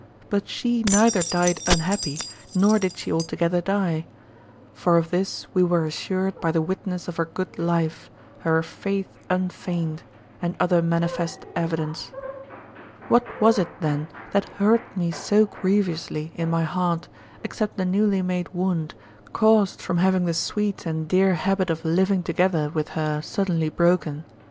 But she neither died unhappy nor did she altogether die. For of this we were assured by the witness of her good life, her "faith unfeigned," and other manifest evidence. 30. What was it, then, that hurt me so grievously in my heart except the newly made wound, caused from having the sweet and dear habit of living together with her suddenly broken?